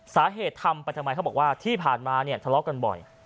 สาเหตุทำไปทำไมเขาบอกว่าที่ผ่านมาทะเลาะกันบ่อย